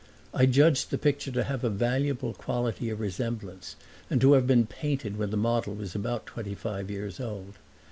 I judged the picture to have a valuable quality of resemblance and to have been painted when the model was about twenty five years old.